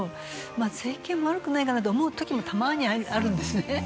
まあ整形も悪くないかなと思う時もたまにあるんですね